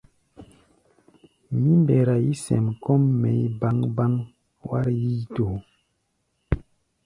Mí mbɛra yí-sɛm kɔ́ʼm mɛʼi̧ báŋ-báŋ wár yíítoó.